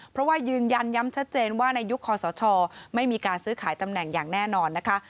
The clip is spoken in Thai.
เพราะว่ายืนยันย้ำชัดเจนว่าในยุคคอสชไม่มีการซื้อขายตำแหน่งอย่างแน่นอนนะคะ